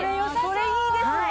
これいいですね！